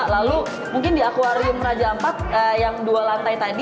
lalu mungkin di aquarium raja ampat yang dua lantai tadi